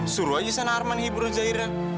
suruh aja sana arman hibur zairan